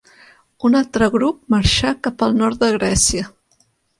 Un altre grup marxà cap al nord de Grècia.